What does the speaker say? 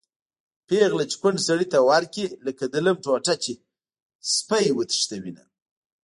پېغله چې کونډ سړي ته ورکړي-لکه د لم ټوټه چې سپی وتښتوېنه